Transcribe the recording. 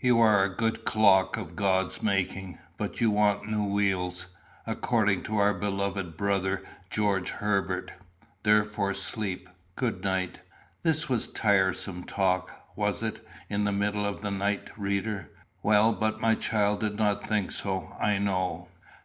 You are a good clock of God's making; but you want new wheels, according to our beloved brother George Herbert. Therefore sleep. Good night." This was tiresome talk was it in the middle of the night, reader? Well, but my child did not think so, I know.